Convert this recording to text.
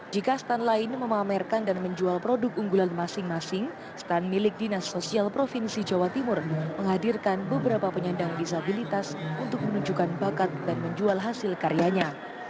jika stand lain memamerkan dan menjual produk unggulan masing masing stand milik dinas sosial provinsi jawa timur menghadirkan beberapa penyandang disabilitas untuk menunjukkan bakat dan menjual hasil karyanya